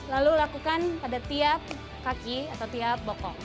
lalu lakukan pada tiap kaki atau tiap bokok